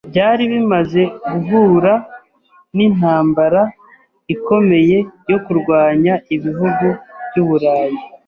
Byari bimaze guhura n’intambara ikomeye yo kurwanya ibihugu by’Uburayi.